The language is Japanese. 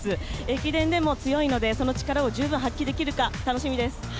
駅伝でも強いので、その力を十分発揮できるか、楽しみです。